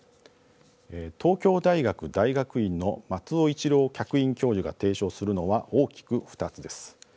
東京大学大学院の松尾一郎客員教授が提唱するのは大きく２つです。